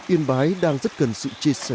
yên bái đang rất cần sự chia sẻ